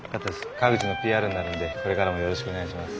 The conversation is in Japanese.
川口のＰＲになるんでこれからもよろしくお願いします。